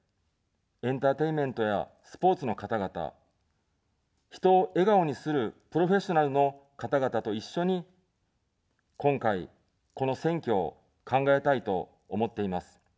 エンターテインメントやスポーツの方々、人を笑顔にするプロフェッショナルの方々と一緒に、今回、この選挙を考えたいと思っています。